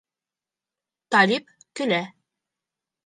Талип көлә.